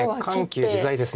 緩急自在です。